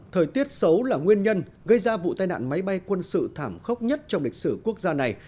thời tiết xấu là nguyên nhân gây ra vụ tai nạn máy bay quân sự thảm khốc nhất trong lịch sử quốc gia này